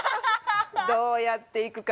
どうやって行くか。